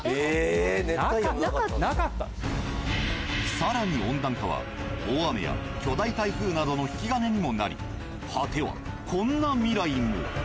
更に温暖化は大雨や巨大台風などの引き金にもなり果てはこんな未来も。